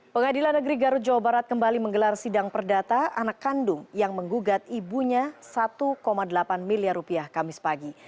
pengadilan negeri garut jawa barat kembali menggelar sidang perdata anak kandung yang menggugat ibunya satu delapan miliar rupiah kamis pagi